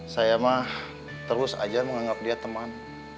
saya mah terus aja menganggap dia teman